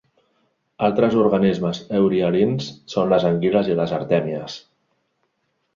Altres organismes eurihalins són les anguiles i les artèmies.